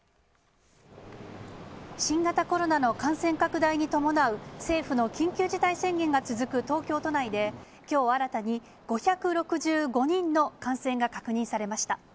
新型コロナの感染拡大に伴う政府の緊急事態宣言が続く東京都内で、きょう新たに、５６５人の感染が確認されました。